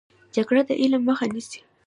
جګړه د تعلیم مخه نیسي